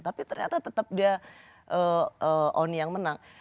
tapi ternyata tetap dia on yang menang